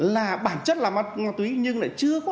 là bản chất là mắt túy nhưng lại chưa có